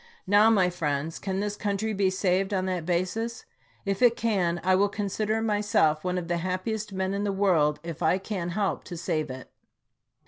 Now, my friends, can this country be saved on that basis? If it can, I will con sider myself one of the happiest men in the world if I can help to save it.